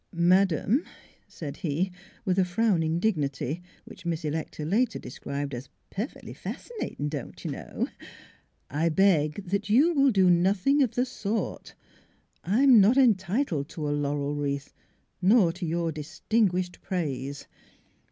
" Madam," said he, with a frowning dignity which Miss Electa later described as " perfectly fascinating, don't y' know?" "I beg that you will do nothing of the sort. I am not entitled to a laurel wreath, nor to your distinguished praise."